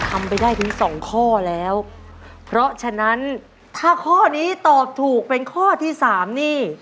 ทำไปได้ถึงสองข้อแล้วเพราะฉะนั้นถ้าข้อนี้ตอบถูกเป็นข้อที่สามนี่